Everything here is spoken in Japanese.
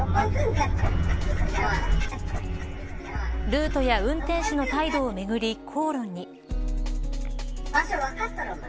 ルートや運転手の態度をめぐり口論に。